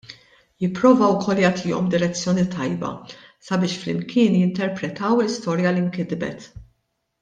Jipprova wkoll jagħtihom direzzjoni tajba sabiex flimkien jinterpretaw l-istorja li nkitbet.